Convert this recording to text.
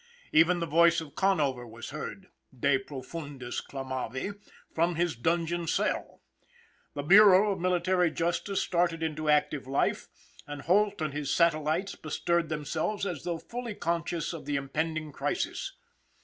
Even the voice of Conover was heard, de profundis clamavi, from his dungeon cell. The Bureau of Military Justice started into active life, and Holt and his satellites bestirred themselves as though fully conscious of the impending crisis.